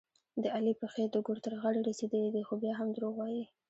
د علي پښې د ګور تر غاړې رسېدلې دي، خو بیا هم دروغ وايي.